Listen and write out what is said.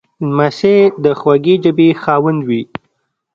لمسی د خوږې ژبې خاوند وي.